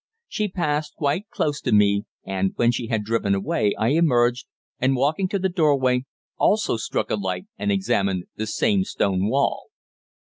She passed quite close to me, and when she had driven away I emerged, and, walking to the doorway, also struck a light and examined the same stone wall.